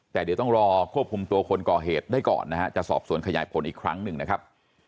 แต่เดี๋ยวต้องรอควบคุมตัวคนก่อเหตุได้ก่อนนะฮะจะสอบสวนขยายผลอีกครั้งหนึ่งนะครับ